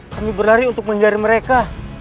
kami berlari untuk mencari mereka